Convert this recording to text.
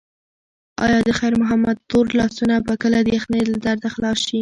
ایا د خیر محمد تور لاسونه به کله د یخنۍ له درده خلاص شي؟